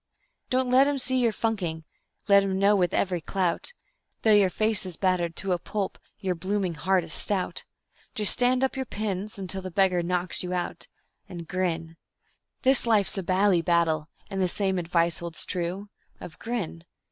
Don't let him see you're funking, let him know with every clout, Though your face is battered to a pulp, your blooming heart is stout; Just stand upon your pins until the beggar knocks you out And grin. This life's a bally battle, and the same advice holds true Of grin.